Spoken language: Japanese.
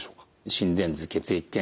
心電図血液検査